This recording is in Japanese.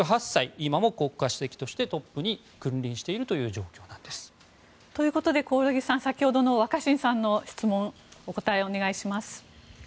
今も国家主席としてトップに君臨しているという状況なんです。ということで興梠さん先ほどの若新さんの質問お答えをお願いします。